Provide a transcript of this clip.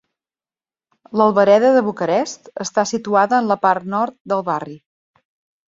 L'Albereda de Bucarest està situada en la part nord del barri.